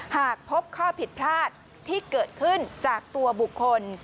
หากพบข้อผิดพลาดที่เกิดขึ้นจากตัวบุคคล